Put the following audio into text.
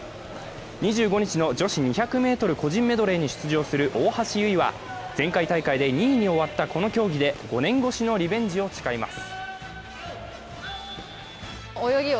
２５日の女子２００ｍ個人メドレーに出場する大橋悠依は前回大会で２位に終わったこの競技で５年越しのリベンジを誓います。